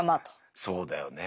そうだよね。